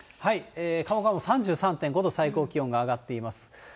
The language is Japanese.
鴨川も３３．５度、最高気温が上がっています。